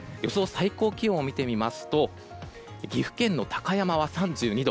最高気温を見てみますと岐阜県の高山は３２度。